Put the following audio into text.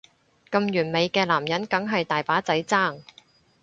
咁完美嘅男人梗係大把仔爭